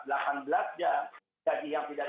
belakang belakang jadi yang tidak